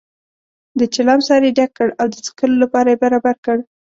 د چلم سر یې ډک کړ او د څکلو لپاره یې برابر کړ.